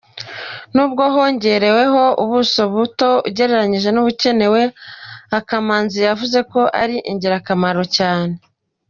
Nubwo hongereweho ubuso buto ugereranyije n’ubukenewe, Akamanzi yavuze ko ari ingirakamaro cyane.